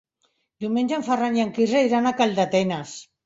Diumenge en Ferran i en Quirze iran a Calldetenes.